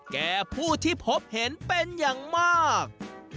แก่ผู้ที่พบเห็นเป็นอย่างมาก